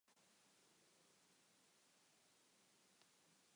Zama bizkarrera altxatzen lagundu zion Newtonek.